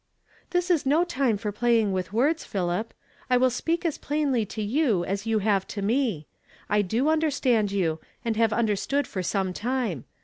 "This is no time for playing wilh words, Philip. I will speak as plaiidy to you as you have to me. I do understand you, and have understood for some time.